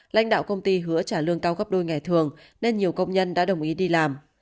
lãnh đạo công ty hứa trả lương cao gấp đôi ngày thường nên nhiều công nhân đã đồng ý đi làm